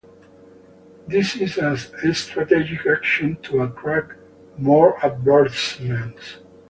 This is a strategic action to attract more advertisements.